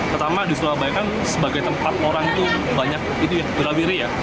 pertama di surabaya kan sebagai tempat orang itu banyak berabiri ya